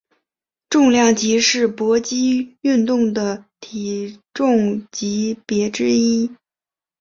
重量级是搏击运动的体重级别之一。